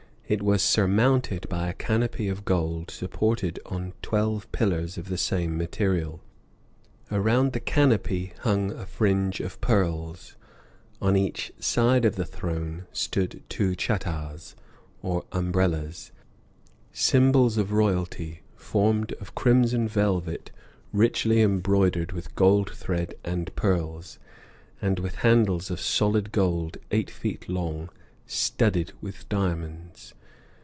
It was surmounted by a canopy of gold, supported on twelve pillars of the same material. Around the canopy hung a fringe of pearls; on each side of the throne stood two chattahs, or umbrellas, symbols of royalty, formed of crimson velvet richly embroidered with gold thread and pearls, and with handles of solid gold, eight feet long, studded with diamonds.